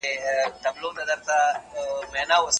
اقتصادي وده تر پرمختيا محدود اړخونه لري.